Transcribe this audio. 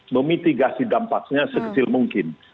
memitigasi dampaknya sekecil mungkin